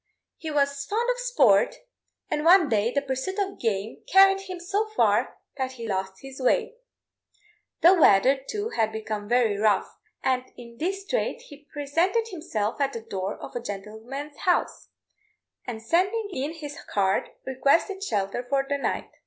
He was fond of sport, and one day the pursuit of game carried him so far that he lost his way, The weather, too, had become very rough, and in this strait he presented himself at the door of a gentleman's house, and sending in his card, requested shelter for the night.